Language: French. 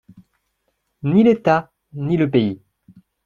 Ni l'État, ni le pays.